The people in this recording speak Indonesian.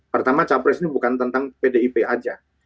pertama capres ini bukan tentang pdip aja